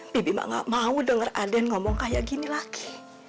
bibima gak mau denger aden ngomong kayak gini lagi